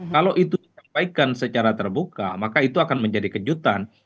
kalau itu disampaikan secara terbuka maka itu akan menjadi kejutan